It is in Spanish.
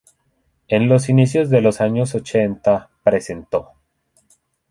En los inicios de los años ochenta presentó.